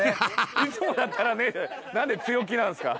いつもだったらねって、なんで強気なんですか？